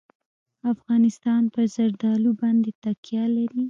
افغانستان په زردالو باندې تکیه لري.